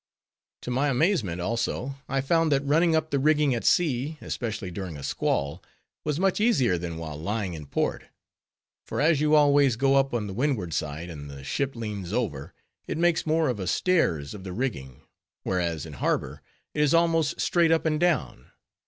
To my amazement, also, I found, that running up the rigging at sea, especially during a squall, was much easier than while lying in port. For as you always go up on the windward side, and the ship leans over, it makes more of a stairs of the rigging; whereas, in harbor, it is almost straight up and down.